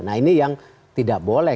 nah ini yang tidak boleh